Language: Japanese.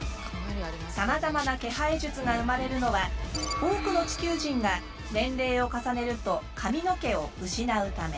さまざまな毛生え術が生まれるのは多くの地球人が年齢を重ねると髪の毛を失うため。